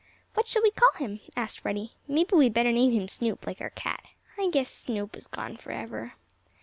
"What shall we call him?" asked Freddie. "Maybe we'd better name him Snoop, like our cat. I guess Snoop is gone forever."